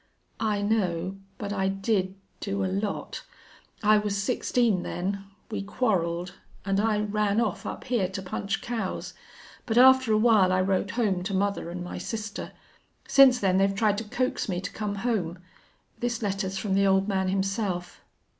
"I know but I did do a lot. I was sixteen then. We quarreled. And I ran off up here to punch cows. But after a while I wrote home to mother and my sister. Since then they've tried to coax me to come home. This letter's from the old man himself.